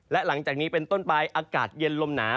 และหลังจากนี้เป็นต้นไปอากาศเย็นลมหนาว